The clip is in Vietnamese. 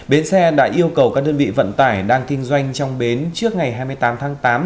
bến xe đã yêu cầu các đơn vị vận tải đang kinh doanh trong bến trước ngày hai mươi tám tháng tám